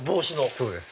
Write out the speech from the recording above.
そうです。